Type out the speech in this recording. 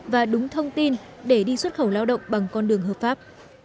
và đúng thông tin để đi xuất khẩu lao động bằng con đường hợp pháp